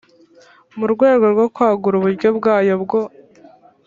mu rwego rwo kwagura uburyo bwayo bwo